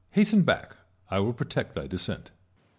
Hasten back ; I will protect thy descent.